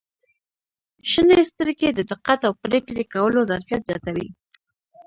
• شنې سترګې د دقت او پرېکړې کولو ظرفیت زیاتوي.